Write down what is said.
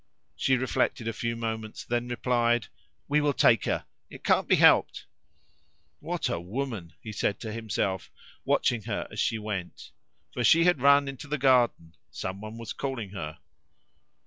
She reflected a few moments, then replied "We will take her! It can't be helped!" "What a woman!" he said to himself, watching her as she went. For she had run into the garden. Someone was calling her.